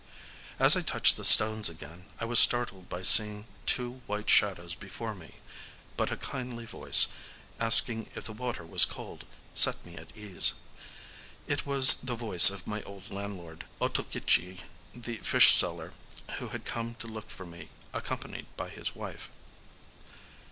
As I touched the stones again, I was startled by seeing two white shadows before me; but a kindly voice, asking if the water was cold, set me at ease. It was the voice of my old landlord, Otokichi the fishseller, who had come to look for me, accompanied by his wife.